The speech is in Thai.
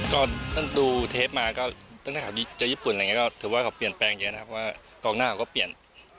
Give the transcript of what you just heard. ก็ท่านดูเทปมาก็ตั้งแต่แถวนี้เจอญี่ปุ่นอะไรอย่างนี้ก็ถือว่าเขาเปลี่ยนแปลงเยอะนะครับเพราะว่ากองหน้าเขาก็เปลี่ยน